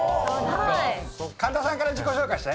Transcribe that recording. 神田さんから自己紹介して。